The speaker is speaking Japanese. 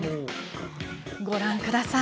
ご覧ください。